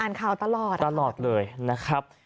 อ่านข่าวตลอดตลอดเลยนะครับ